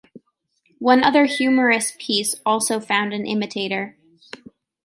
One other humorous piece also found an imitator.